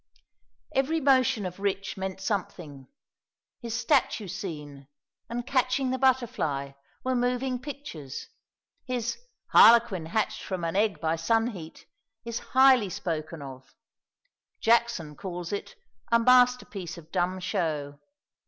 Every motion of Rich meant something. His "statue scene" and "catching the butterfly" were moving pictures. His "harlequin hatched from an egg by sun heat" is highly spoken of; Jackson calls it "a masterpiece of dumb show."